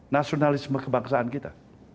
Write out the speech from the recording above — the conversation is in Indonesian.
nasionalisme kebangsaan kita